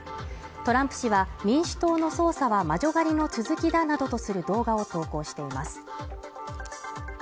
トランプ氏は民主党の捜査は魔女狩りの続きだなどとする動画を投稿しています。